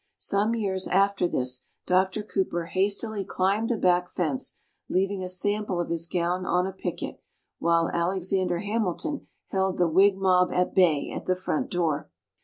Some years after this Doctor Cooper hastily climbed the back fence, leaving a sample of his gown on a picket, while Alexander Hamilton held the Whig mob at bay at the front door.